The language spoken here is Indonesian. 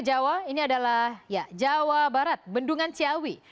jawa ini adalah jawa barat bendungan ciawi